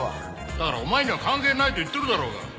だからお前には関係ないと言ってるだろうが。